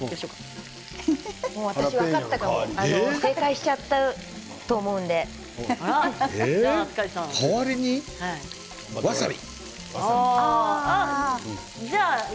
私、分かったかも正解しちゃったと思うので代わりにわさび。